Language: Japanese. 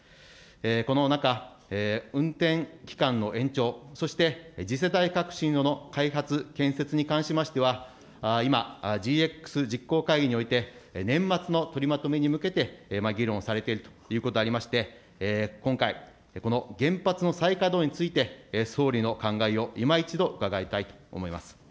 この中、運転期間の延長、そして次世代革新炉の開発、建設に関しましては、今、ＧＸ実行会議において、年末の取りまとめに向けて議論されているということでありまして、今回、この原発の再稼働について、総理の考えを今一度、伺いたいと思います。